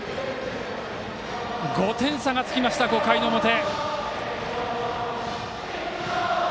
５点差がつきました５回の表。